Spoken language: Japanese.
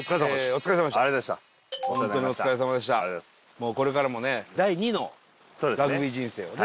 もうこれからもね第二のラグビー人生をね。